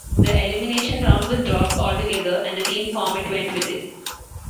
The Elimination Round was dropped altogether, and the team format went with it.